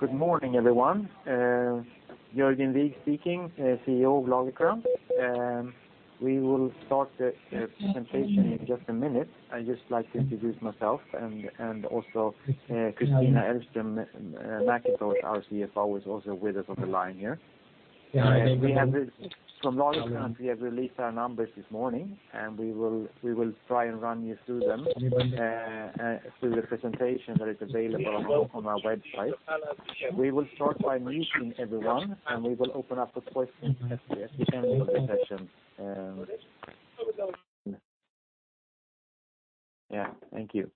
Good morning, everyone. Jörgen Wigh speaking, CEO of Lagercrantz. We will start the presentation in just a minute. I'd just like to introduce myself and also Kristina Elfström Mackintosh, our CFO, is also with us on the line here. From Lagercrantz, we have released our numbers this morning, and we will try and run you through them, through the presentation that is available on our website. We will start by muting everyone, and we will open up for questions at the end of the session. Thank you.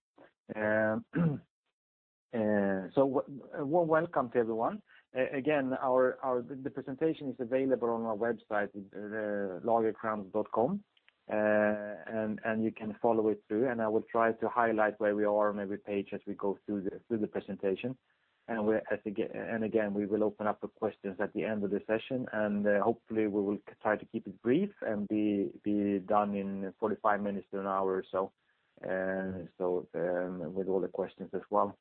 Welcome to everyone. Again, the presentation is available on our website, lagercrantz.com, and you can follow it through. I will try to highlight where we are on every page as we go through the presentation. Again, we will open up the questions at the end of the session, and hopefully we will try to keep it brief and be done in 45 minutes to an hour or so, with all the questions as well.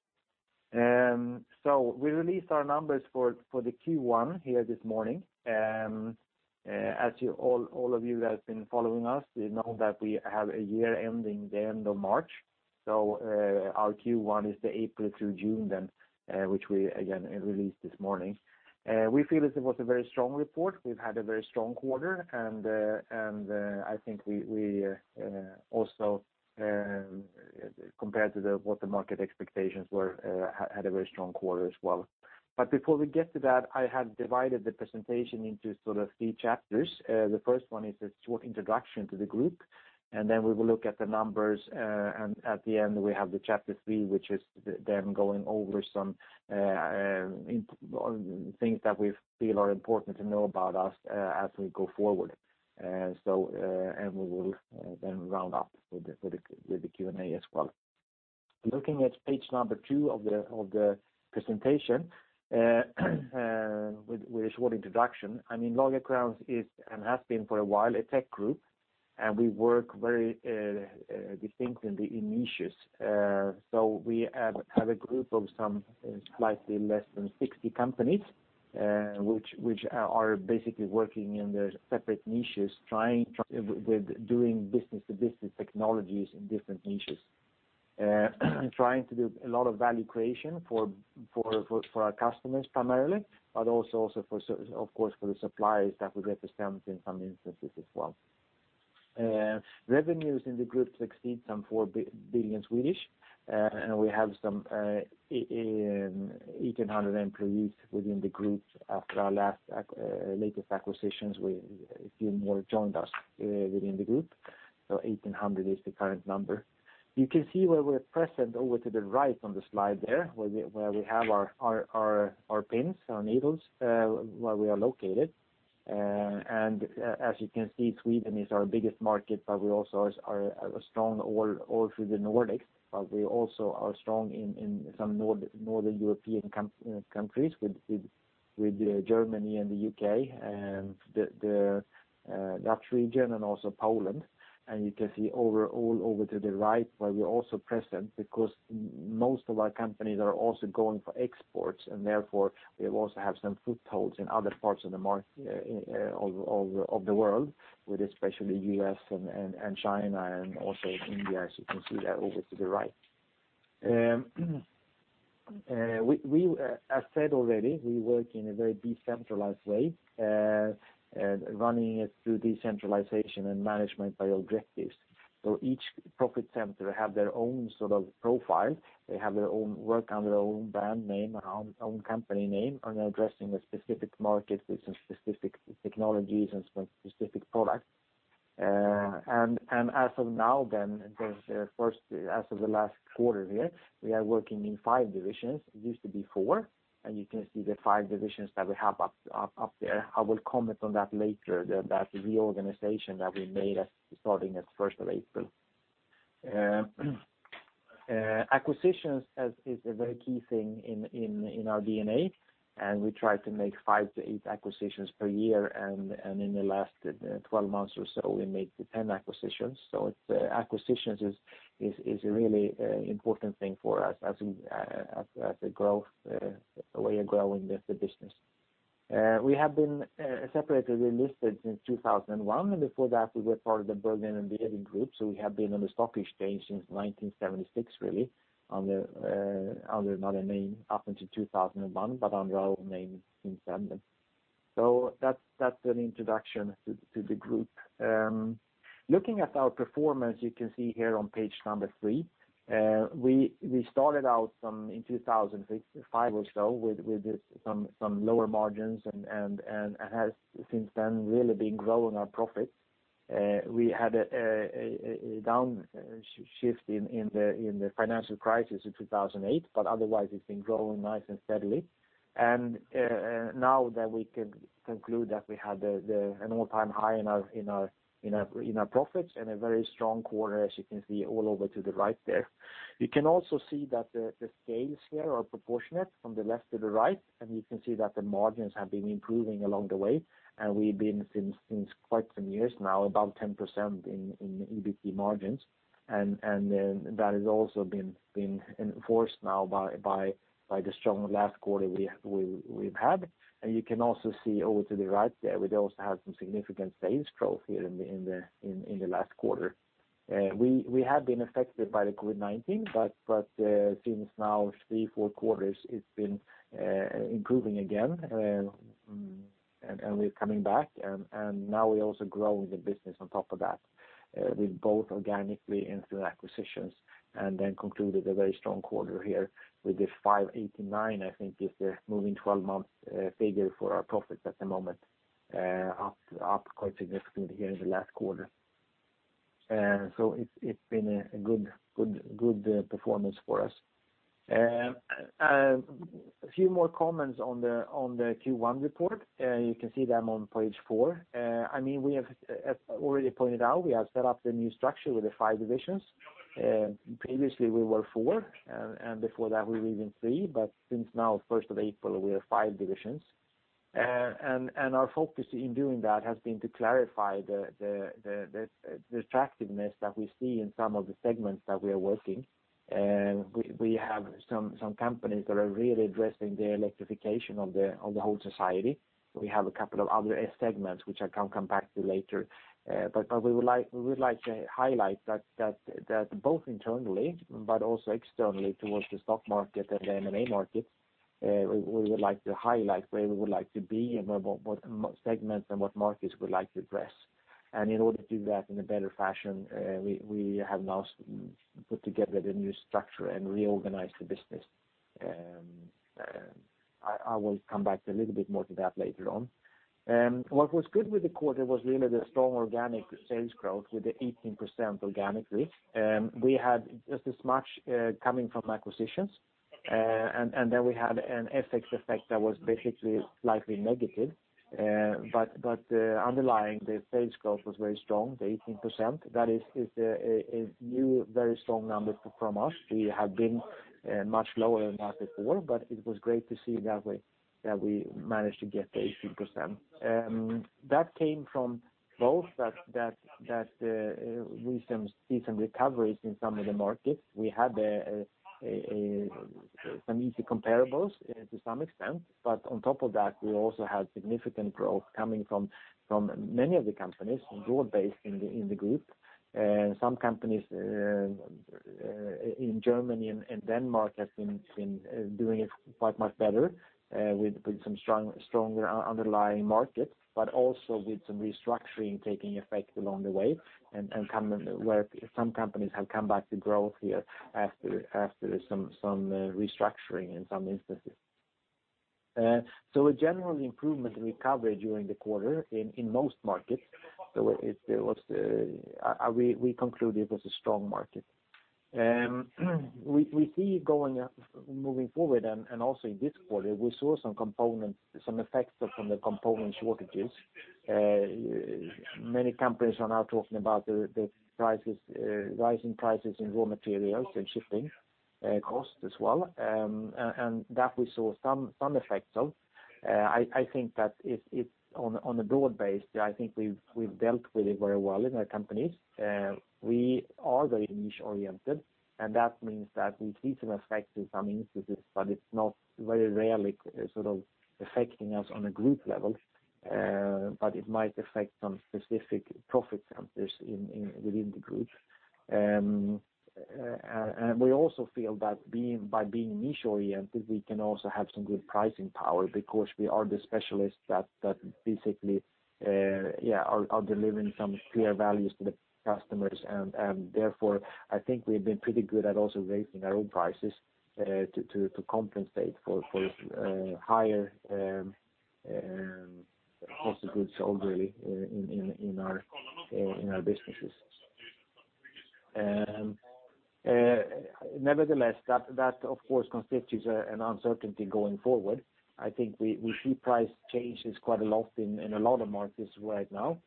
We released our numbers for the Q1 here this morning. All of you that have been following us know that we have a year-ending the end of March. Our Q1 is the April through June then which we, again, released this morning. We feel as it was a very strong report. We've had a very strong quarter, and I think we also, compared to what the market expectations were, had a very strong quarter as well. Before we get to that, I have divided the presentation into three chapters. The first one is a short introduction to the group. Then we will look at the numbers. At the end, we have the chapter three, which is then going over some things that we feel are important to know about us as we go forward. We will then round up with the Q&A as well. Looking at page number two of the presentation, with a short introduction. Lagercrantz is, and has been for a while, a tech group. We work very distinctly in niches. We have a group of some slightly less than 60 companies, which are basically working in their separate niches, doing business-to-business technologies in different niches. Trying to do a lot of value creation for our customers primarily, also, of course, for the suppliers that we represent in some instances as well. Revenues in the group exceed some 4 billion, and we have some 1,800 employees within the group. After our latest acquisitions, a few more joined us within the group. 1,800 is the current number. You can see where we're present over to the right on the slide there, where we have our pins, our needles, where we are located. As you can see, Sweden is our biggest market, but we also are strong all through the Nordics, but we also are strong in some Northern European countries with Germany and the U.K. and the Dutch region and also Poland. You can see all over to the right where we're also present because most of our companies are also going for exports and therefore we also have some footholds in other parts of the world, with especially U.S. and China and also India, as you can see there over to the right. As said already, we work in a very decentralized way, running it through decentralization and management by objectives. Each profit center have their own sort of profile. They work under their own brand name and own company name and are addressing a specific market with some specific technologies and some specific products. As of now then, as of the last quarter here, we are working in five divisions. It used to be four, and you can see the five divisions that we have up there. I will comment on that later, that reorganization that we made starting at 1st of April. Acquisitions is a very key thing in our DNA, and we try to make five to eight acquisitions per year, and in the last 12 months or so, we made 10 acquisitions. Acquisitions is a really important thing for us as a way of growing the business. We have been separately listed since 2001, and before that we were part of the Bergman & Beving Group, so we have been on the stock exchange since 1976, really, under another name up until 2001, but under our own name since then. That's an introduction to the group. Looking at our performance, you can see here on page number three. We started out in 2005 or so with some lower margins and have since then really been growing our profits. We had a downshift in the financial crisis of 2008, otherwise it's been growing nice and steadily. Now that we can conclude that we had an all-time high in our profits and a very strong quarter as you can see all over to the right there. You can also see that the scales here are proportionate from the left to the right, and you can see that the margins have been improving along the way, and we've been since quite some years now, above 10% in EBIT margins. That has also been enforced now by the strong last quarter we've had. You can also see over to the right there, we also have some significant sales growth here in the last quarter. We have been affected by the COVID-19, but since now three, four quarters, it's been improving again, and we're coming back, and now we're also growing the business on top of that, with both organically and through acquisitions, and then concluded a very strong quarter here with the 589, I think is the moving 12 months figure for our profits at the moment, up quite significantly here in the last quarter. It's been a good performance for us. A few more comments on the Q1 report. You can see them on page four. As already pointed out, we have set up the new structure with the five divisions. Previously we were four, and before that we were even three, but since now 1st of April, we are five divisions. Our focus in doing that has been to clarify the attractiveness that we see in some of the segments that we are working. We have some companies that are really addressing the electrification of the whole society. We have a couple of other segments which I can come back to later. We would like to highlight that both internally, but also externally towards the stock market and the M&A market, we would like to highlight where we would like to be and what segments and what markets we'd like to address. In order to do that in a better fashion, we have now put together the new structure and reorganized the business. I will come back a little bit more to that later on. What was good with the quarter was really the strong organic sales growth with the 18% organically. We had just as much coming from acquisitions, and then we had an FX effect that was basically slightly negative. Underlying the sales growth was very strong, the 18%. That is a new, very strong number from us. We have been much lower than that before, but it was great to see that we managed to get the 18%. That came from both that we see some recoveries in some of the markets. We had some easy comparables to some extent, but on top of that, we also had significant growth coming from many of the companies broad-based in the group. Some companies in Germany and Denmark have been doing it quite much better with some stronger underlying markets, but also with some restructuring taking effect along the way and where some companies have come back to growth here after some restructuring in some instances. A general improvement recovery during the quarter in most markets. We concluded it was a strong market. We see moving forward and also in this quarter, we saw some effects from the component shortages. Many companies are now talking about the rising prices in raw materials and shipping costs as well, and that we saw some effects of. On a broad base, I think we've dealt with it very well in our companies. We are very niche-oriented, that means that we see some effect in some instances, but it's not very rarely sort of affecting us on a group level, but it might affect some specific profit centers within the group. We also feel that by being niche-oriented, we can also have some good pricing power because we are the specialists that basically are delivering some clear values to the customers, therefore, I think we've been pretty good at also raising our own prices to compensate for higher cost of goods sold really in our businesses. Nevertheless, that of course constitutes an uncertainty going forward. I think we see price changes quite a lot in a lot of markets right now,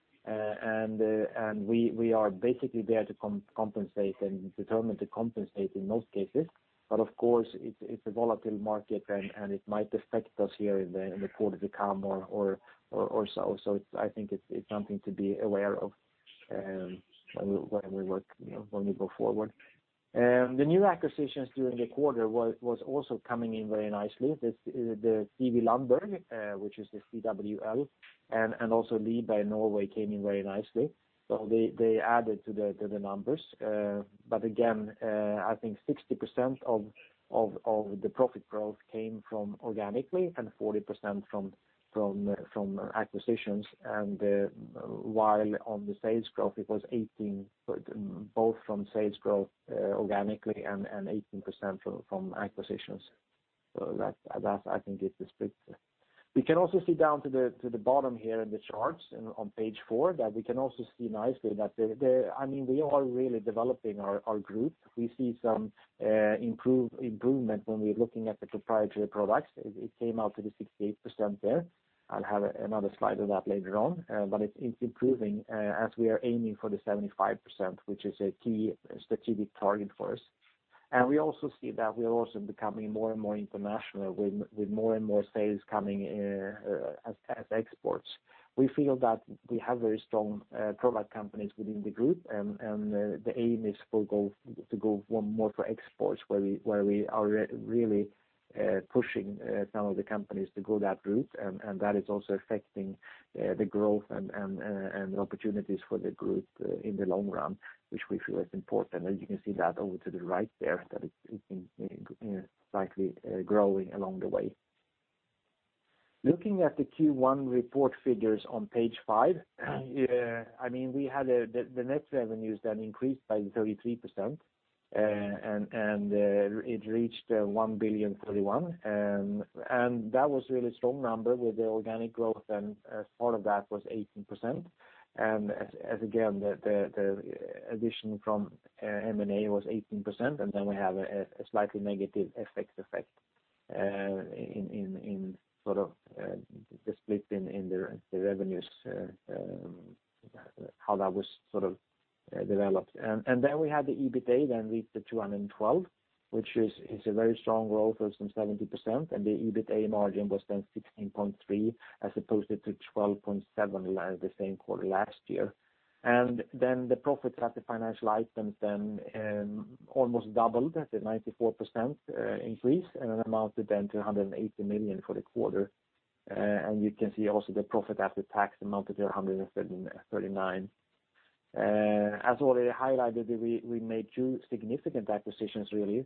we are basically there to compensate and determine to compensate in most cases. Of course, it's a volatile market, and it might affect us here in the quarter to come or so. I think it's something to be aware of when we go forward. The new acquisitions during the quarter was also coming in very nicely. The CW Lundberg which is the CWL, and also Libra came in very nicely. They added to the numbers. Again, I think 60% of the profit growth came from organically and 40% from acquisitions, and while on the sales growth, it was 18 both from sales growth organically and 18% from acquisitions. That I think is the split. We can also see down to the bottom here in the charts on page four that we can also see nicely that we are really developing our group. We see some improvement when we're looking at the proprietary products. It came out to the 68% there. I'll have another slide of that later on. It's improving as we are aiming for the 75%, which is a key strategic target for us. We also see that we are also becoming more and more international with more and more sales coming as exports. We feel that we have very strong product companies within the group, and the aim is to go more for exports where we are really pushing some of the companies to go that route, and that is also affecting the growth and opportunities for the group in the long run, which we feel is important. You can see that over to the right there, that it's been slightly growing along the way. Looking at the Q1 report figures on page five, we had the net revenues that increased by 33%, and it reached 1,031 million. That was a really strong number with the organic growth. Part of that was 18%. Again, the addition from M&A was 18%. We have a slightly negative FX effect in the split in the revenues, how that was developed. We had the EBITA then reached 212 million, which is a very strong growth of some 70%. The EBITA margin was then 16.3% as opposed to 12.7% the same quarter last year. The profit after financial items then almost doubled at a 94% increase and amounted then to 180 million for the quarter. You can see also the profit after tax amounted to 139 million. As already highlighted, we made two significant acquisitions, really.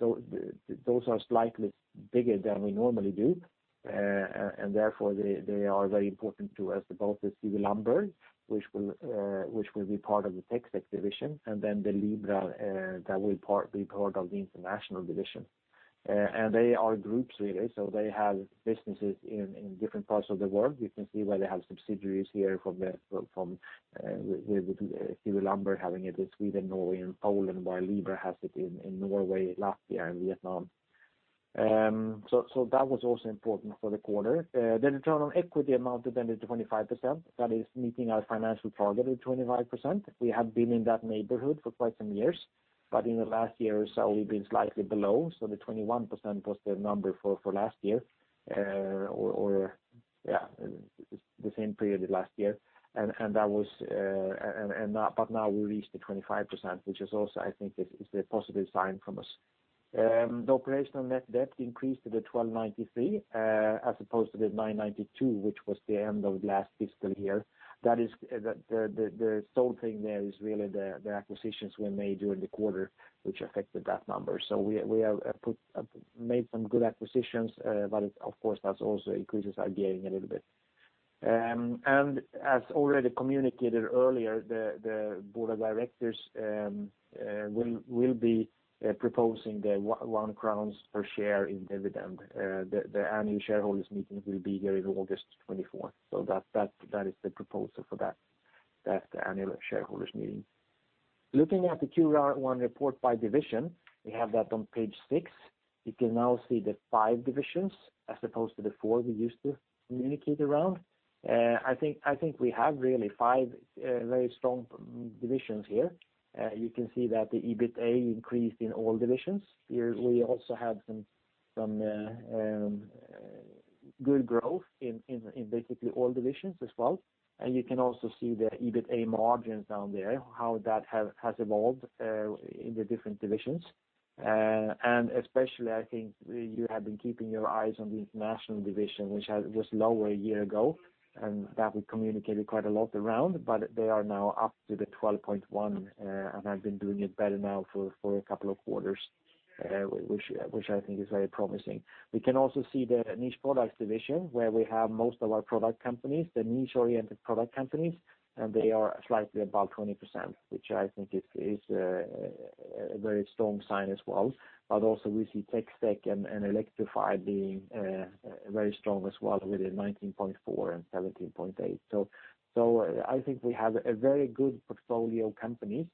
Those are slightly bigger than we normally do, and therefore they are very important to us, both the CW Lundberg, which will be part of the TecSec division, and then the Libra that will be part of the International division. They are groups, really, so they have businesses in different parts of the world. You can see where they have subsidiaries here from with CW Lundberg having it in Sweden, Norway, and Poland, while Libra has it in Norway, Latvia, and Vietnam. That was also important for the quarter. The return on equity amounted then to 25%. That is meeting our financial target of 25%. We have been in that neighborhood for quite some years, but in the last year or so, we've been slightly below. The 21% was the number for last year or the same period last year. Now we reached the 25%, which is also, I think, is a positive sign from us. The operational net debt increased to 1,293 as opposed to 992, which was the end of last fiscal year. The sole thing there is really the acquisitions we made during the quarter, which affected that number. We have made some good acquisitions, of course, that also increases our gearing a little bit. As already communicated earlier, the board of directors will be proposing 1 crowns per share in dividend. The annual shareholders meeting will be here on August 24th. That is the proposal for that annual shareholders meeting. Looking at the Q1 report by division, we have that on page six. You can now see the five divisions as opposed to the four we used to communicate around. I think we have really five very strong divisions here. You can see that the EBITA increased in all divisions. Here we also have some good growth in basically all divisions as well. You can also see the EBITA margins down there, how that has evolved in the different divisions. Especially, I think you have been keeping your eyes on the International division, which was lower a year ago, and that we communicated quite a lot around, but they are now up to the 12.1% and have been doing it better now for a couple of quarters, which I think is very promising. We can also see the Niche Products division, where we have most of our product companies, the niche-oriented product companies, and they are slightly above 20%, which I think is a very strong sign as well. Also we see TecSec and Electrify being very strong as well with 19.4% and 17.8%. I think we have a very good portfolio of companies,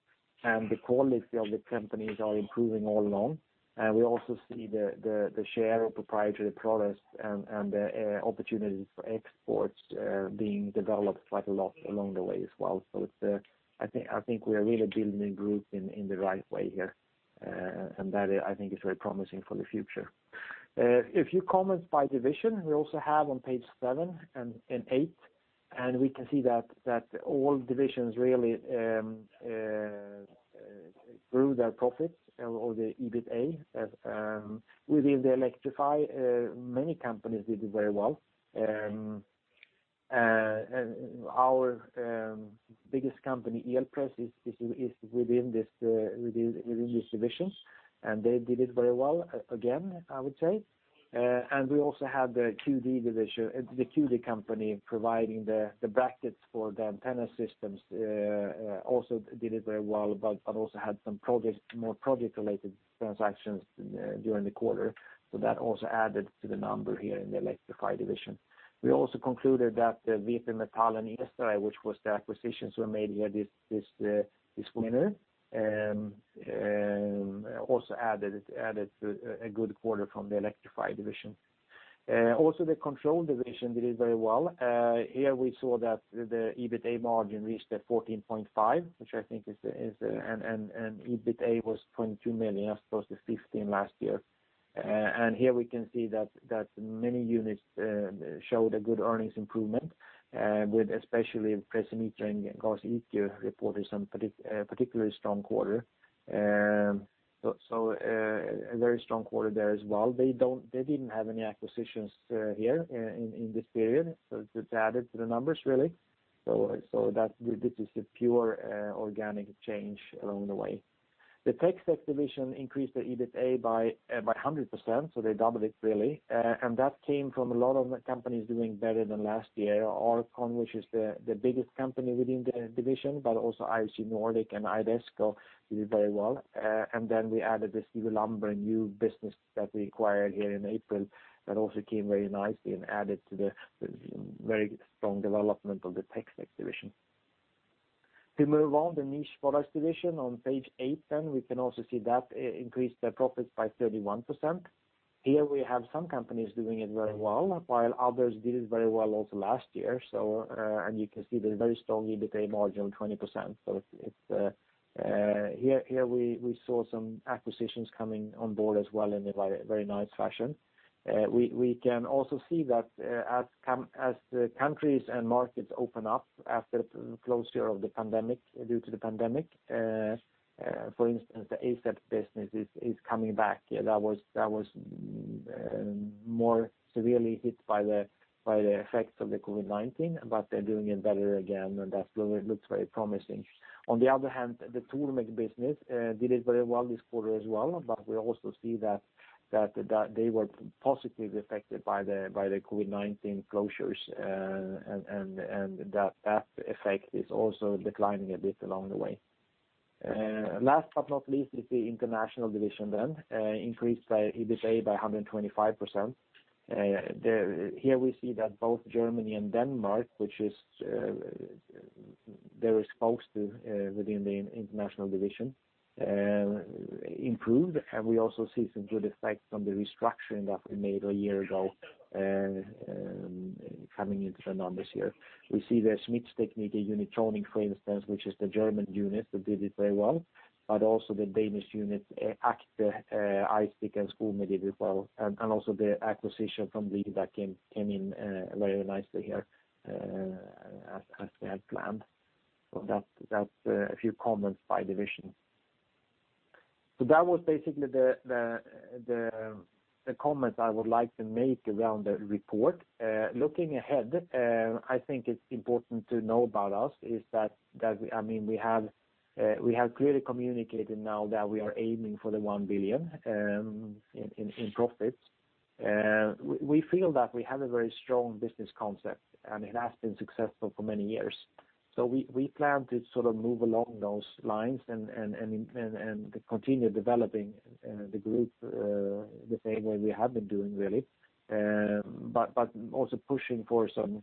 and the quality of the companies are improving all along. We also see the share of proprietary products and the opportunities for exports being developed quite a lot along the way as well. I think we are really building the group in the right way here, and that I think is very promising for the future. A few comments by division, we also have on page seven and eight, and we can see that all divisions really grew their profits or the EBITA within the Electrify, many companies did very well. Our biggest company, Elpress, is within these divisions, and they did it very well again, I would say. We also have the Cue Dee company providing the brackets for the antenna systems also did it very well, but also had some more project-related transactions during the quarter. That also added to the number here in the Electrify division. We also concluded that the VP Metall and Esari, which was the acquisitions we made here this quarter also added a good quarter from the Electrify division. The Control division did it very well. Here we saw that the EBITA margin reached at 14.5%, and EBITA was SEK 22 million as opposed to 15 million last year. Here we can see that many units showed a good earnings improvement, with especially Precimeter and GasiQ reported some particularly strong quarter. A very strong quarter there as well. They didn't have any acquisitions here in this period. It's added to the numbers, really. This is a pure organic change along the way. The TecSec division increased their EBITA by 100%. They doubled it really. That came from a lot of the companies doing better than last year. R-con, which is the biggest company within the division, but also ISG Nordic and Idesco did very well. Then we added this CW Lundberg new business that we acquired here in April, that also came very nicely and added to the very strong development of the TecSec division. To move on, the Niche Products division on page eight then, we can also see that increased their profits by 31%. Here we have some companies doing it very well, while others did it very well also last year. You can see the very strong EBITA margin, 20%. Here, we saw some acquisitions coming on board as well in a very nice fashion. We can also see that as the countries and markets open up after the closure due to the pandemic, for instance, the Asept business is coming back. That was more severely hit by the effects of the COVID-19, but they're doing it better again, and that looks very promising. On the other hand, the Tormek did it very well this quarter as well, but we also see that they were positively affected by the COVID-19 closures, and that effect is also declining a bit along the way. Last but not least is the International division then, increased their EBITDA by 125%. Here we see that both Germany and Denmark, which is the response within the International division improved, and we also see some good effects from the restructuring that we made a year ago coming into the numbers here. We see the Schmitztechnik, Unitronic, for instance, which is the German unit that did it very well, but also the Danish unit ACTE, ISIC and Skomø did well. Also the acquisition from Libra that came in very nicely here as we had planned. That's a few comments by division. That was basically the comments I would like to make around the report. Looking ahead, I think it's important to know about us is that, we have clearly communicated now that we are aiming for the 1 billion in profits. We feel that we have a very strong business concept, and it has been successful for many years. We plan to sort of move along those lines and continue developing the group the same way we have been doing really. Also pushing for some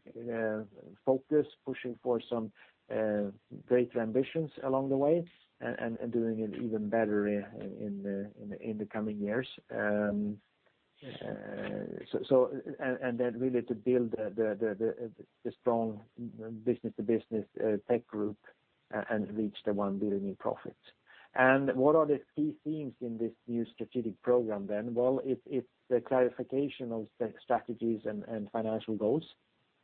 focus, pushing for some greater ambitions along the way, and doing it even better in the coming years. Really to build the strong business-to-business tech group and reach the 1 billion in profits. What are the key themes in this new strategic program then? It's the clarification of the strategies and financial goals.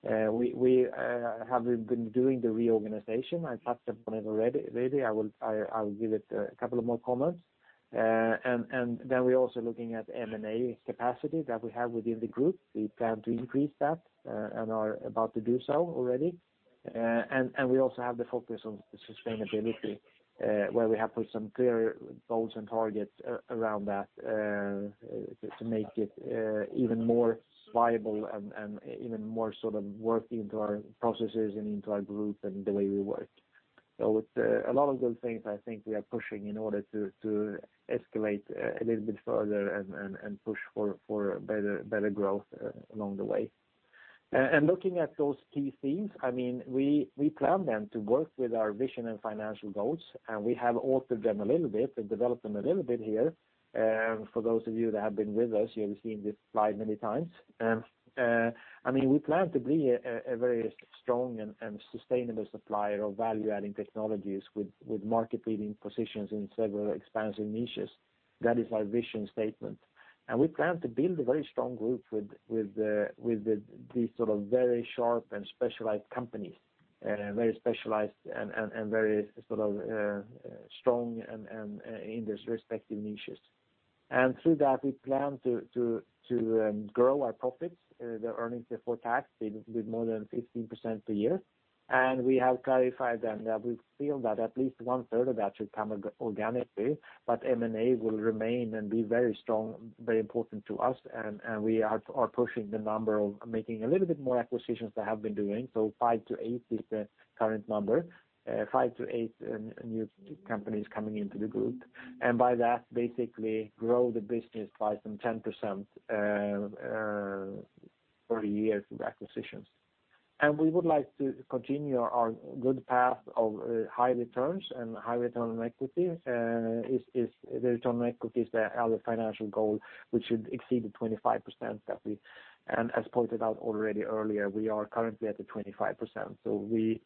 We have been doing the reorganization. I touched upon it already. I will give it a couple of more comments. Then we're also looking at M&A capacity that we have within the group. We plan to increase that and are about to do so already. We also have the focus on sustainability, where we have put some clear goals and targets around that to make it even more viable and even more sort of work into our processes and into our group and the way we work. It's a lot of good things I think we are pushing in order to escalate a little bit further and push for better growth along the way. Looking at those key themes, we plan then to work with our vision and financial goals. We have altered them a little bit and developed them a little bit here. For those of you that have been with us, you have seen this slide many times. We plan to be a very strong and sustainable supplier of value-adding technologies with market-leading positions in several expansive niches. That is our vision statement. We plan to build a very strong group with these sort of very sharp and specialized companies, very specialized and very sort of strong in their respective niches. Through that, we plan to grow our profits, the earnings before tax with more than 15% per year. We have clarified then that we feel that at least one third of that should come organically, but M&A will remain and be very strong, very important to us, and we are pushing the number of making a little bit more acquisitions than have been doing. five to eight is the current number, five to eight new companies coming into the group. By that, basically grow the business by some 10% per year through acquisitions. We would like to continue our good path of high returns and high return on equity. The return on equity is our financial goal, which should exceed the 25%. As pointed out already earlier, we are currently at the 25%,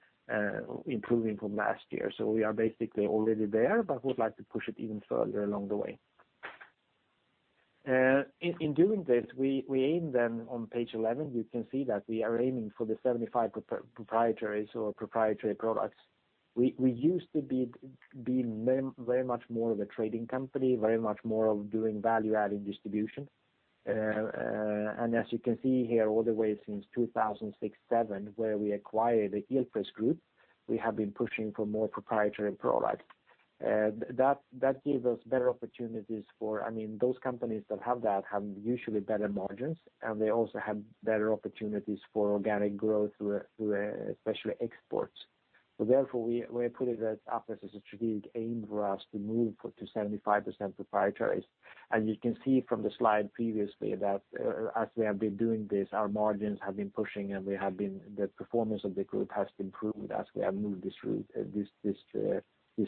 improving from last year. We are basically already there, would like to push it even further along the way. In doing this, we aim on page 11, you can see that we are aiming for the 75 proprietaries or proprietary products. We used to be very much more of a trading company, very much more of doing value-adding distribution. As you can see here, all the way since 2006, 2007, where we acquired the Elpress Group, we have been pushing for more proprietary products. That gave us better opportunities for those companies that have usually better margins, and they also have better opportunities for organic growth through especially exports. Therefore, we put it up as a strategic aim for us to move to 75% proprietaries. As you can see from the slide previously, that as we have been doing this, our margins have been pushing, and the performance of the group has improved as we have moved this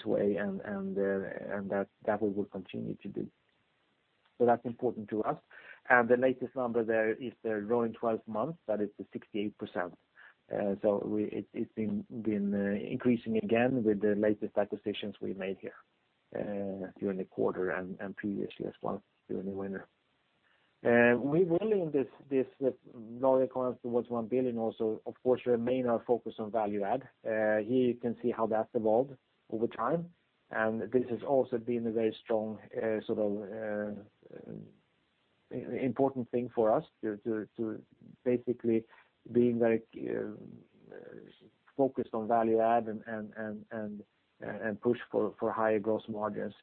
way and that we will continue to do. That's important to us. The latest number there is the rolling 12 months, that is the 68%. It's been increasing again with the latest acquisitions we made here during the quarter and previously as well during the winter. We will, in this Lagercrantz towards 1 billion also of course remain our focus on value add. Here you can see how that's evolved over time, and this has also been a very strong, important thing for us to basically be very focused on value add and push for higher gross margins.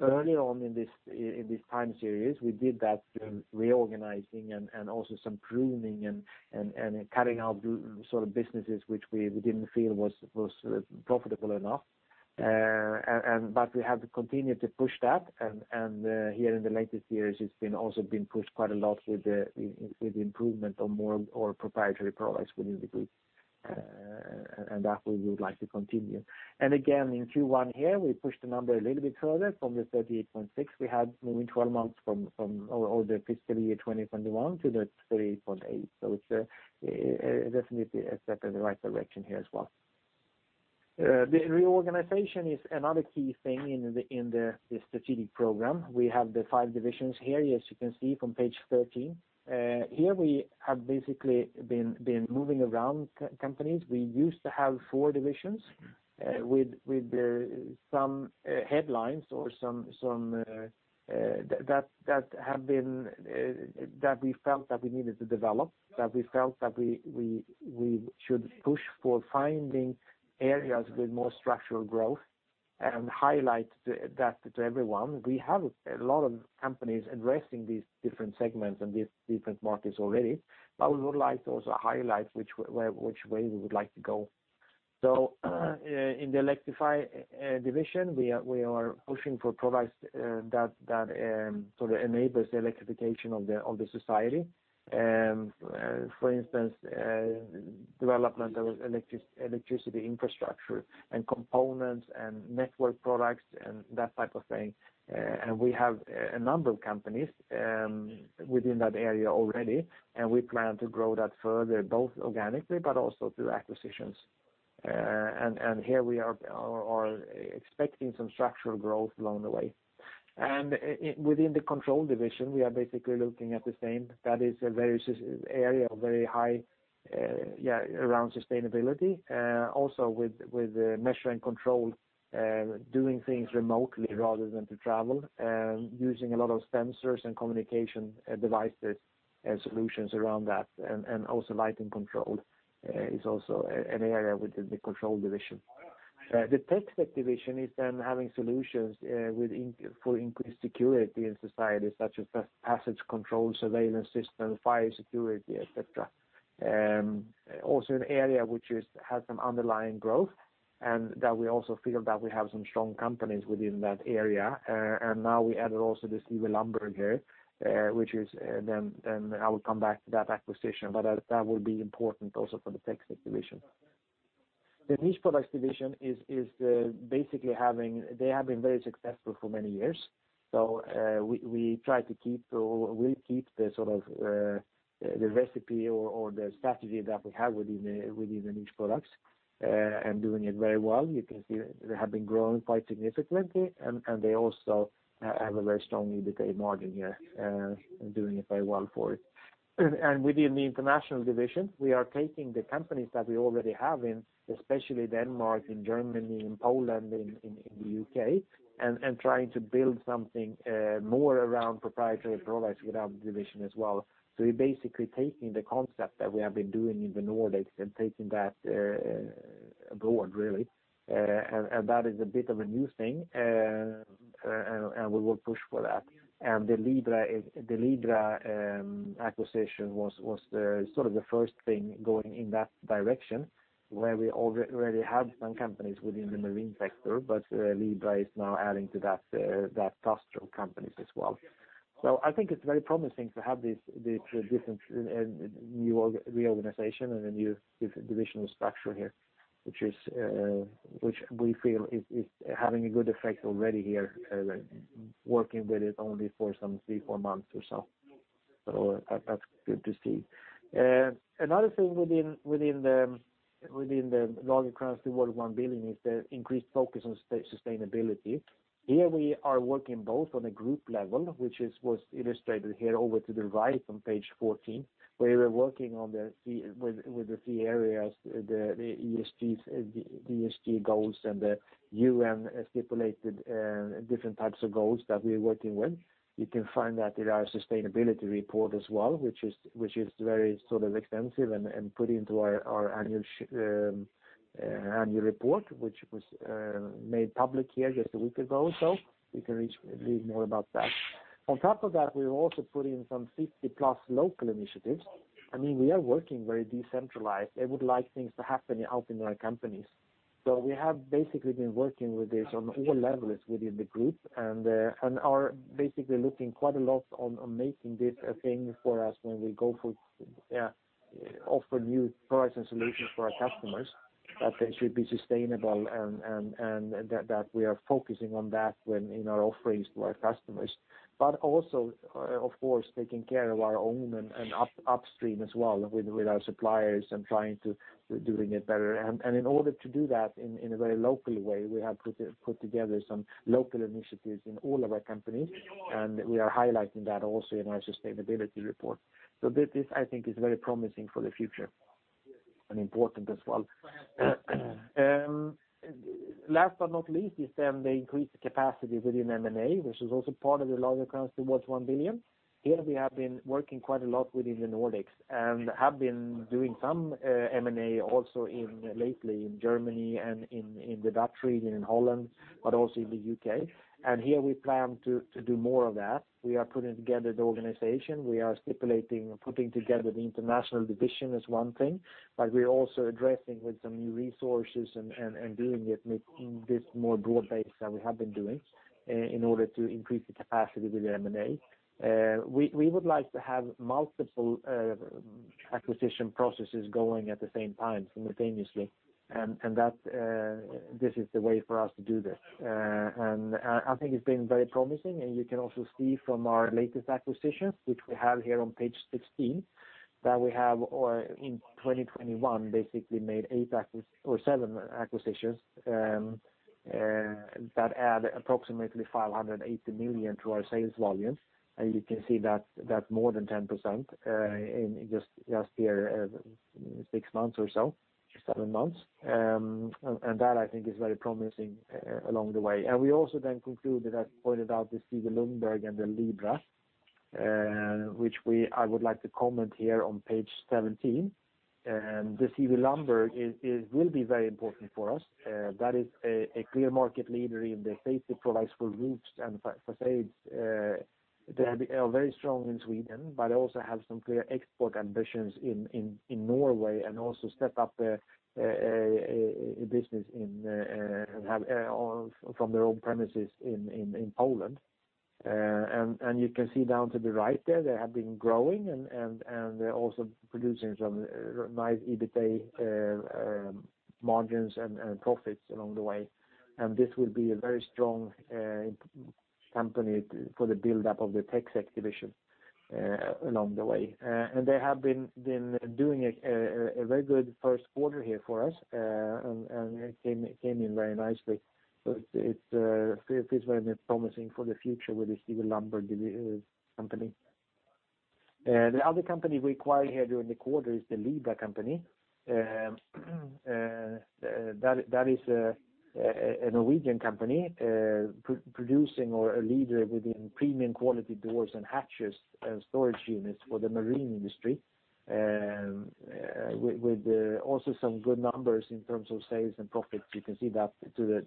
Early on in this time series, we did that through reorganizing and also some pruning and cutting out sort of businesses which we didn't feel was profitable enough. We have continued to push that, here in the latest years, it's also been pushed quite a lot with the improvement of more proprietary products within the group. That we would like to continue. Again, in Q1 here, we pushed the number a little bit further from the 38.6% we had moving 12 months from our older fiscal year 2021 to the 38.8%. It's definitely a step in the right direction here as well. The reorganization is another key thing in the strategic program. We have the five divisions here, as you can see from page 13. Here we have basically been moving around companies. We used to have four divisions, with some headlines that we felt that we needed to develop, that we felt that we should push for finding areas with more structural growth and highlight that to everyone. We have a lot of companies addressing these different segments and these different markets already, but we would like to also highlight which way we would like to go. In the Electrify division, we are pushing for products that sort of enable the electrification of the society. For instance, development of electricity infrastructure and components and network products and that type of thing. We have a number of companies within that area already, and we plan to grow that further, both organically but also through acquisitions. Here we are expecting some structural growth along the way. Within the Control division, we are basically looking at the same. That is an area of very high around sustainability. With measure and control, doing things remotely rather than to travel, using a lot of sensors and communication devices and solutions around that, lighting control is also an area within the Control division. The TecSec division is having solutions for increased security in society, such as passage control, surveillance system, fire security, et cetera. An area which has some underlying growth and that we also feel that we have some strong companies within that area. Now we added also this CW Lundberg here, which is, I will come back to that acquisition, that will be important also for the TecSec division. The Niche Products division is basically they have been very successful for many years, so we'll keep the sort of the recipe or the strategy that we have within Niche Products, and doing it very well. You can see they have been growing quite significantly, and they also have a very strong EBITDA margin here, doing it very well for it. Within the International division, we are taking the companies that we already have in, especially Denmark, in Germany, in Poland, in the U.K., and trying to build something more around proprietary products within that division as well. We're basically taking the concept that we have been doing in the Nordics and taking that abroad, really. That is a bit of a new thing, and we will push for that. The Libra acquisition was sort of the first thing going in that direction, where we already had some companies within the marine sector, but Libra is now adding to that cluster of companies as well. I think it's very promising to have this different reorganization and a new divisional structure here, which we feel is having a good effect already here, working with it only for some three, four months or so. That's good to see. Another thing within the Lagercrantz towards 1 billion crown is the increased focus on sustainability. We are working both on a group level, which was illustrated here over to the right on page 14, where we're working with the three areas, the ESG goals and the UN-stipulated different types of goals that we're working with. You can find that in our sustainability report as well, which is very sort of extensive and put into our annual report, which was made public here just a week ago or so. You can read more about that. On top of that, we've also put in some 60-plus local initiatives. We are working very decentralized. They would like things to happen out in our companies. We have basically been working with this on all levels within the group, and are basically looking quite a lot on making this a thing for us when we offer new products and solutions for our customers, that they should be sustainable and that we are focusing on that in our offerings to our customers. Also, of course, taking care of our own and upstream as well with our suppliers and trying to doing it better. In order to do that in a very local way, we have put together some local initiatives in all of our companies, and we are highlighting that also in our sustainability report. This, I think is very promising for the future, and important as well. Last but not least is then the increased capacity within M&A, which is also part of the Lagercrantz towards 1 billion. Here we have been working quite a lot within the Nordics and have been doing some M&A also lately in Germany and in the Dutch region, in Holland, but also in the U.K. Here we plan to do more of that. We are putting together the organization. We are stipulating putting together the International division as one thing, but we're also addressing with some new resources and doing it with this more broad-based than we have been doing, in order to increase the capacity with the M&A. We would like to have multiple acquisition processes going at the same time simultaneously. This is the way for us to do this. I think it's been very promising, and you can also see from our latest acquisitions, which we have here on page 16, that we have in 2021, basically made seven acquisitions, that add approximately 580 million to our sales volume. You can see that's more than 10% in just here six months or so, seven months. That I think is very promising along the way. We also then conclude that I pointed out the CW Lundberg and the Libra, which I would like to comment here on page 17. The CW Lundberg will be very important for us. That is a clear market leader in the safety products for roofs and facades. They are very strong in Sweden, but also have some clear export ambitions in Norway and also step up a business from their own premises in Poland. You can see down to the right there, they have been growing and they're also producing some nice EBITA margins and profits along the way. This will be a very strong company for the buildup of the TecSec division along the way. They have been doing a very good first quarter here for us, and it came in very nicely. It feels very promising for the future with the CW Lundberg company. The other company we acquired here during the quarter is the Libra company. That is a Norwegian company producing or a leader within premium quality doors and hatches and storage units for the marine industry, with also some good numbers in terms of sales and profits. You can see that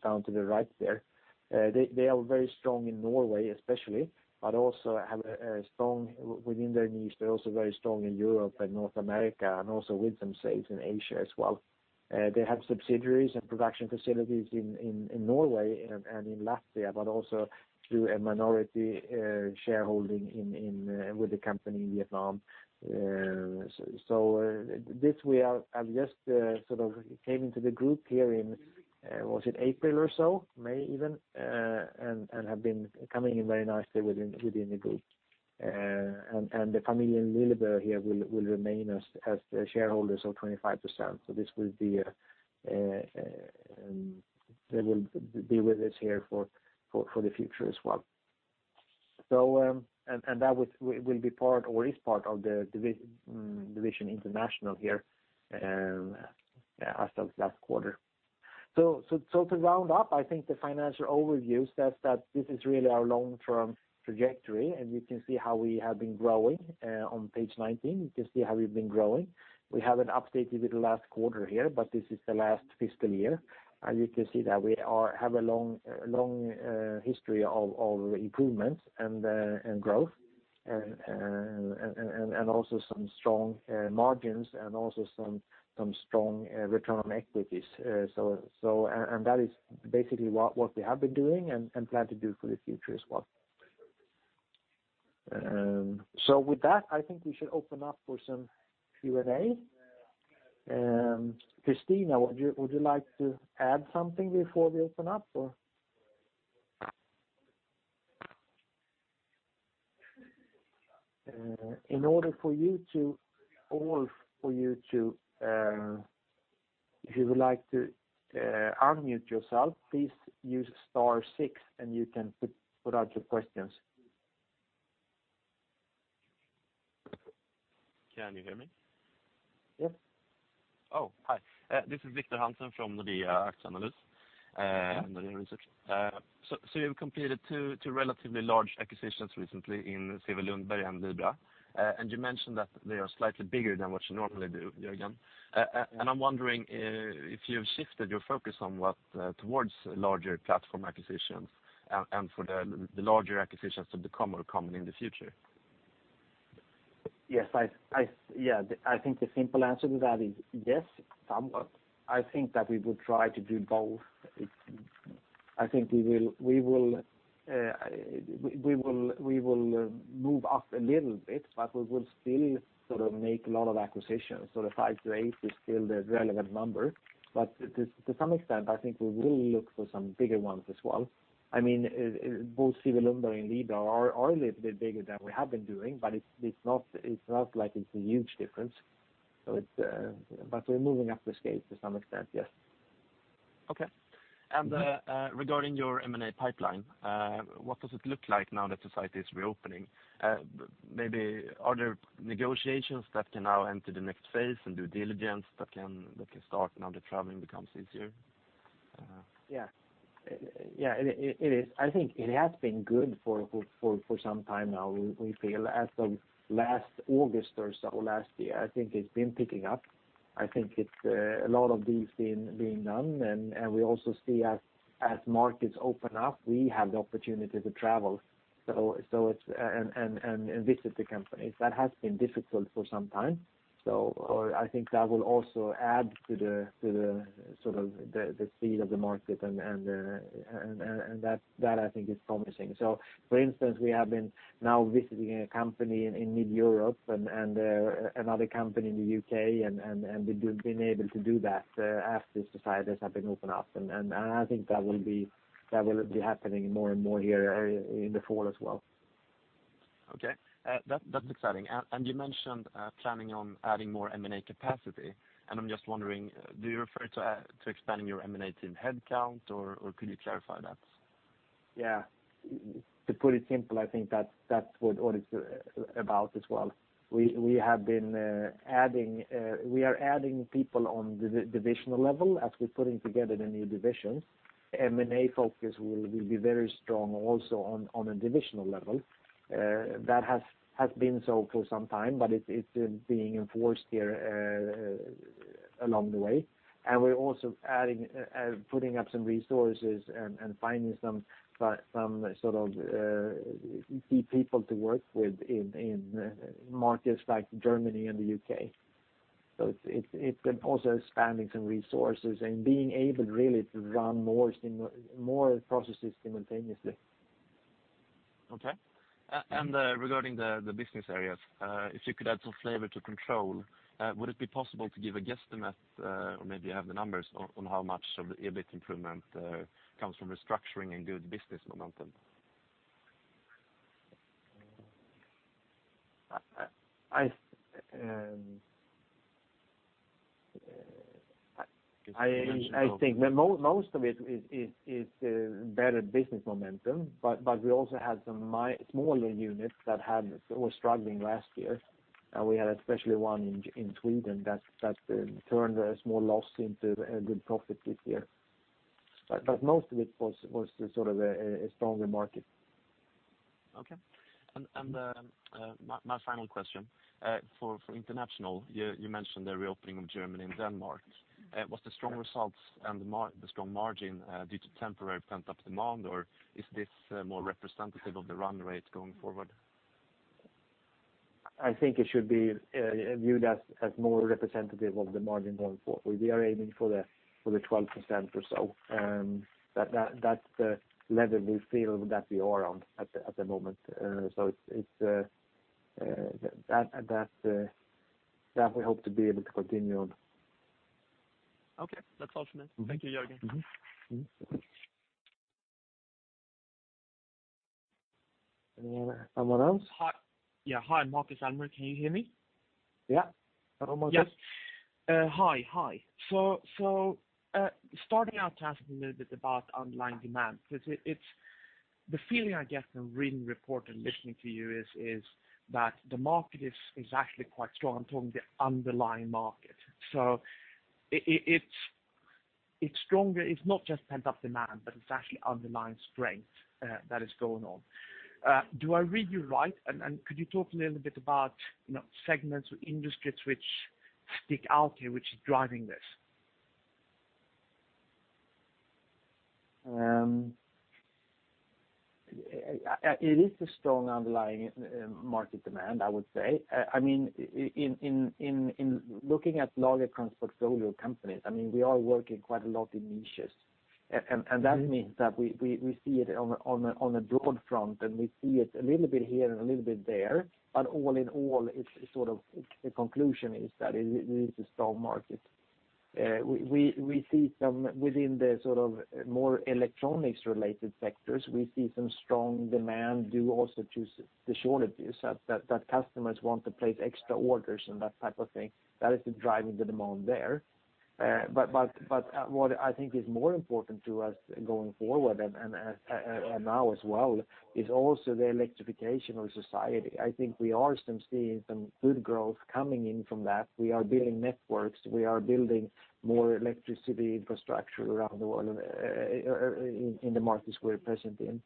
down to the right there. They are very strong in Norway especially, but also have a strong within their niche. They're also very strong in Europe and North America, and also with some sales in Asia as well. They have subsidiaries and production facilities in Norway and in Latvia, but also through a minority shareholding with the company in Vietnam. This just sort of came into the group here in, was it April or so? May even? Have been coming in very nicely within the group. The family in Lillebø here will remain as shareholders of 25%. They will be with us here for the future as well. That will be part or is part of the International division here as of last quarter. To round up, I think the financial overview says that this is really our long-term trajectory, and you can see how we have been growing on page 19. You can see how we've been growing. We haven't updated with the last quarter here, but this is the last fiscal year. You can see that we have a long history of improvements and growth, and also some strong margins and also some strong return on equities. That is basically what we have been doing and plan to do for the future as well. With that, I think we should open up for some Q&A. Kristina, would you like to add something before we open up or? If you would like to unmute yourself, please use star six and you can put out your questions. Can you hear me? Yes. Hi. This is Viktor Hansson from Nordea Aktieanalys and your research. You've completed two relatively large acquisitions recently in CW Lundberg and Libra, and you mentioned that they are slightly bigger than what you normally do, Jörgen. I'm wondering if you've shifted your focus somewhat towards larger platform acquisitions, and for the larger acquisitions to become more common in the future. Yes. I think the simple answer to that is yes, somewhat. I think we will try to do both. I think we will move up a little bit, but we will still make a lot of acquisitions. The five to eight is still the relevant number. To some extent, I think we will look for some bigger ones as well. Both CW Lundberg and Libra are a little bit bigger than we have been doing, it's not like it's a huge difference. We're moving up the scale to some extent, yes. Okay. Regarding your M&A pipeline, what does it look like now that society is reopening? Maybe are there negotiations that can now enter the next phase and due diligence that can start now the traveling becomes easier? Yeah, it is. I think it has been good for some time now. We feel as of last August or so last year, I think it's been picking up. I think it's a lot of deals being done, and we also see as markets open up, we have the opportunity to travel and visit the companies. That has been difficult for some time. I think that will also add to the sort of the speed of the market and that I think is promising. For instance, we have been now visiting a company in mid-Europe and another company in the U.K. and we've been able to do that as the societies have been opened up, and I think that will be happening more and more here in the fall as well. Okay. That's exciting. You mentioned planning on adding more M&A capacity, and I'm just wondering, do you refer to expanding your M&A team headcount or could you clarify that? Yeah. To put it simply, I think that's what it's about as well. We are adding people on the divisional level as we're putting together the new divisions. M&A focus will be very strong also on a divisional level. That has been so for some time, but it's being enforced here along the way. We're also putting up some resources and finding some key people to work with in markets like Germany and the U.K. It's been also expanding some resources and being able really to run more processes simultaneously. Okay. Regarding the business areas, if you could add some flavor to Control, would it be possible to give a guesstimate, or maybe you have the numbers on how much of the EBIT improvement comes from restructuring and good business momentum? I think most of it is better business momentum, but we also had some smaller units that were struggling last year. We had especially one in Sweden that turned a small loss into a good profit this year. Most of it was sort of a stronger market. Okay. My final question, for International, you mentioned the reopening of Germany and Denmark. Was the strong results and the strong margin due to temporary pent-up demand or is this more representative of the run rate going forward? I think it should be viewed as more representative of the margin going forward. We are aiming for the 12% or so. That's the level we feel that we are on at the moment. That we hope to be able to continue on. Okay. That's all from me. Thank you, Jörgen. Anyone else? Hi. Yeah. Hi, Marcus Almer. Can you hear me? Yeah. Yes. Hi. Starting out to ask you a little bit about underlying demand, because the feeling I get from reading the report and listening to you is that the market is actually quite strong, I'm talking the underlying market. It's stronger, it's not just pent-up demand, but it's actually underlying strength that is going on. Do I read you right? Could you talk a little bit about segments or industries which stick out here, which is driving this? It is a strong underlying market demand, I would say. In looking at Lagercrantz portfolio companies, we are working quite a lot in niches. That means that we see it on a broad front, and we see it a little bit here and a little bit there, but all in all, the conclusion is that it is a strong market. Within the more electronics-related sectors, we see some strong demand due also to the shortages that customers want to place extra orders and that type of thing. That is driving the demand there. What I think is more important to us going forward and now as well is also the electrification of society. I think we are seeing some good growth coming in from that. We are building networks. We are building more electricity infrastructure around the world in the markets we're present in.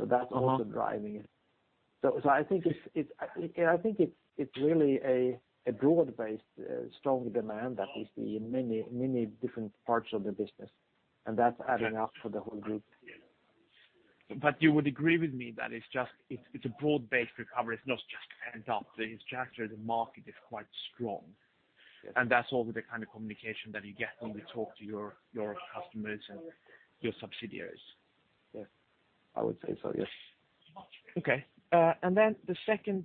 That's also driving it. I think it's really a broad-based strong demand that we see in many different parts of the business, and that's adding up for the whole Group. You would agree with me that it's a broad-based recovery. It's not just pent up. It's just the market is quite strong. Yes. That's also the kind of communication that you get when you talk to your customers and your subsidiaries. Yes. I would say so, yes. Okay. The second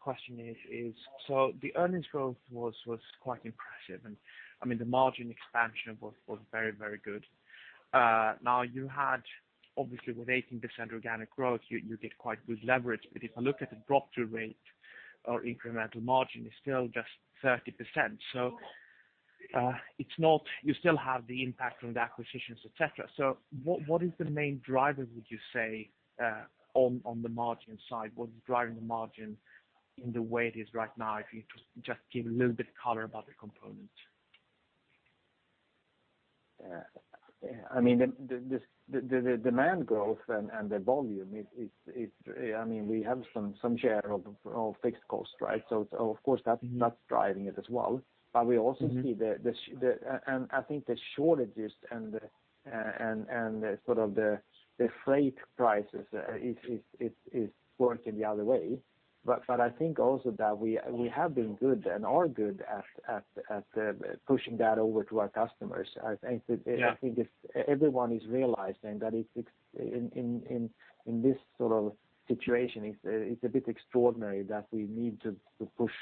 question is, the earnings growth was quite impressive, and the margin expansion was very good. You had obviously with 18% organic growth, you get quite good leverage. If I look at the drop-through rate or incremental margin, it is still just 30%. You still have the impact from the acquisitions, et cetera. What is the main driver, would you say on the margin side? What is driving the margin in the way it is right now, if you could just give a little bit of color about the components? The demand growth and the volume is, we have some share of fixed costs. Of course that's driving it as well. We also see the shortages and the freight prices is working the other way. I think also that we have been good and are good at pushing that over to our customers. Yeah. I think everyone is realizing that in this sort of situation, it's a bit extraordinary that we need to push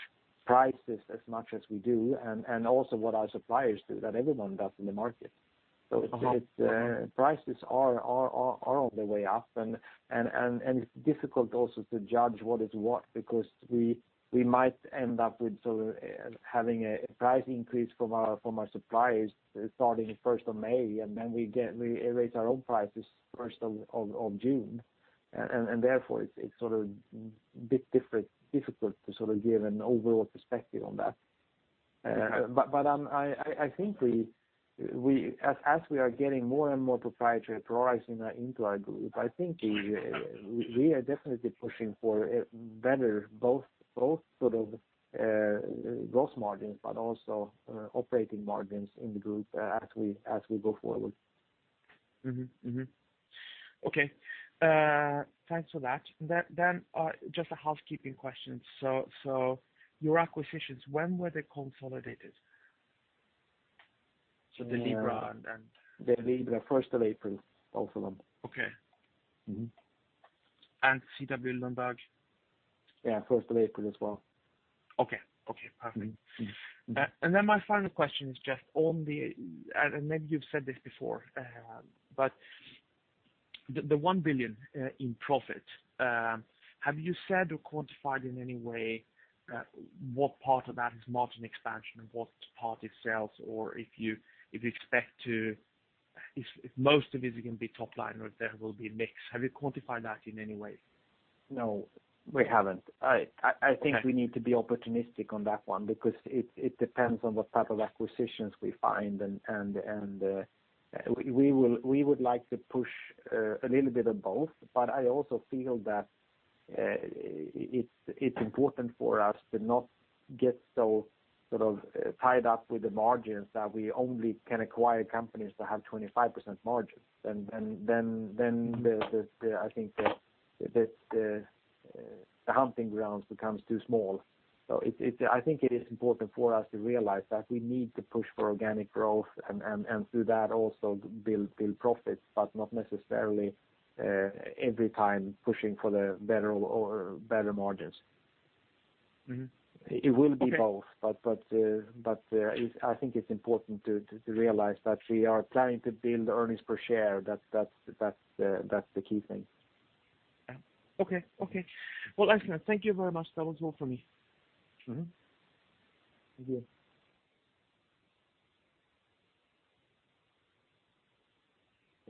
prices as much as we do, and also what our suppliers do, that everyone does in the market. Prices are on the way up, and it's difficult also to judge what is what, because we might end up with having a price increase from our suppliers starting the 1st of May, and then we raise our own prices 1st of June. Therefore, it's a bit difficult to give an overall perspective on that. I think as we are getting more and more proprietary pricing into our group, I think we are definitely pushing for better both gross margins, but also operating margins in the group as we go forward. Mm-hmm. Okay. Thanks for that. Just a housekeeping question. Your acquisitions, when were they consolidated? The Libra-Plast and. The Libra-Plast, 1st of April, both of them. Okay. CW Lundberg? Yeah, 1st of April as well. Okay. Perfect. My final question is just on the, and maybe you've said this before, but the 1 billion in profit, have you said or quantified in any way what part of that is margin expansion and what part is sales, or if you expect to, if most of it is going to be top line or if there will be a mix. Have you quantified that in any way? No, we haven't. Okay. I think we need to be opportunistic on that one because it depends on what type of acquisitions we find, and we would like to push a little bit of both. I also feel that it's important for us to not get so tied up with the margins that we only can acquire companies that have 25% margins. I think that the hunting grounds becomes too small. I think it is important for us to realize that we need to push for organic growth and through that also build profits, but not necessarily every time pushing for the better margins. Mm-hmm. Okay. It will be both. I think it's important to realize that we are planning to build earnings per share. That's the key thing. Okay. Well, excellent. Thank you very much. That was all for me. Thank you.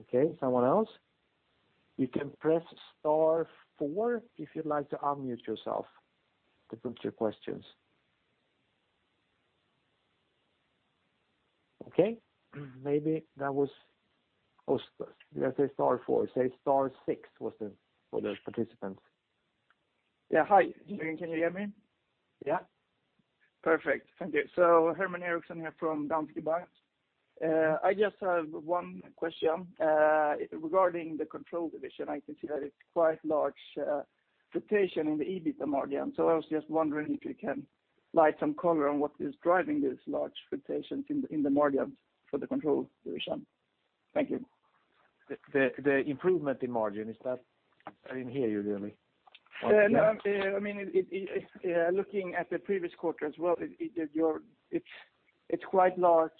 Okay, someone else? You can press star four if you'd like to unmute yourself to put your questions. Okay. Maybe that was Oscar. You have to star four. Say star six for the participants. Yeah. Hi. Can you hear me? Yeah. Perfect. Thank you. Herman Eriksson here from DNB. I just have one question regarding the Control division. I can see that it's quite large fluctuation in the EBIT margin. I was just wondering if you can light some color on what is driving these large fluctuations in the margins for the Control division. Thank you. The improvement in margin, is that? I didn't hear you really. Yeah. No, looking at the previous quarter as well, it's quite large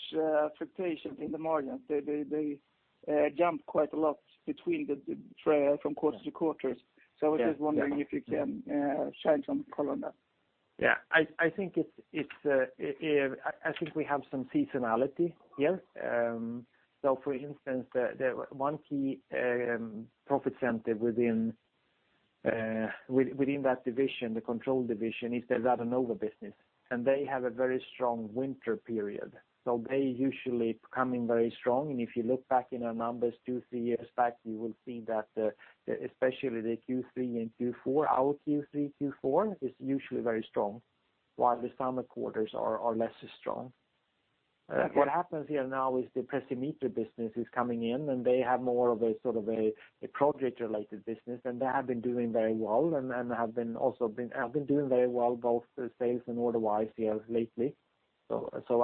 fluctuations in the margins. They jumped quite a lot from quarter-to-quarter. Yeah. I was just wondering if you can shine some color on that. Yeah. I think we have some seasonality here. For instance, one key profit center within that division, the Control division, is the Radonova business, and they have a very strong winter period, so they usually come in very strong. If you look back in our numbers two, three years back, you will see that especially the Q3 and Q4, our Q3, Q4 is usually very strong, while the summer quarters are less strong. What happens here now is the Precimeter business is coming in, and they have more of a project-related business, and they have been doing very well, both sales and order-wise here lately.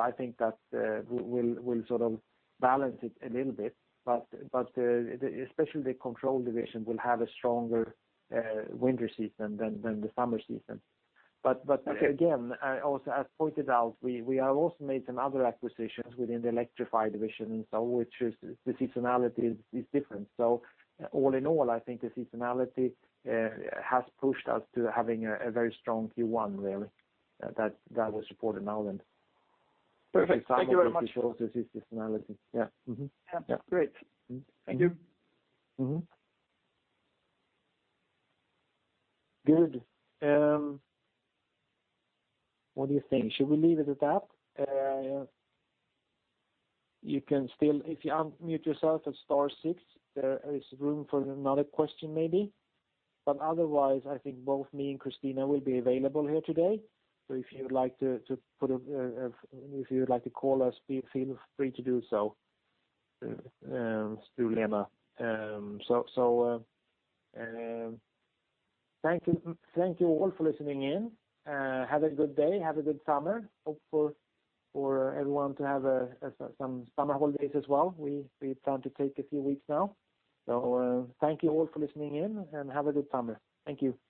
I think that will sort of balance it a little bit. Especially the Control division will have a stronger winter season than the summer season. Again, also as pointed out, we have also made some other acquisitions within the Electrify division, which the seasonality is different. All in all, I think the seasonality has pushed us to having a very strong Q1, really, that will support it now. Perfect. Thank you very much. Also sees seasonality. Yeah. Great. Thank you. Good. What do you think? Should we leave it at that? You can still, if you unmute yourself at star six, there is room for another question maybe. Otherwise, I think both me and Kristina will be available here today. If you would like to call us, feel free to do so. Thank you all for listening in. Have a good day. Have a good summer. Hope for everyone to have some summer holidays as well. We plan to take a few weeks now. Thank you all for listening in, and have a good summer. Thank you.